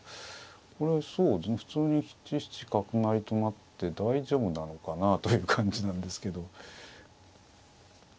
これは普通に７七角成と成って大丈夫なのかなという感じなんですけど。